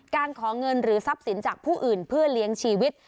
ขอเงินหรือทรัพย์สินจากผู้อื่นเพื่อเลี้ยงชีวิต